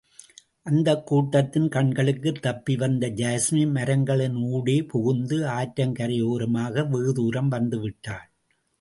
அந்தக் கூட்டத்தின் கண்களுக்குத் தப்பி வந்த யாஸ்மி, மரங்களினூடே புகுந்து ஆற்றங்கரையோரமாக வெகுதூரம் வந்து விட்டாள்.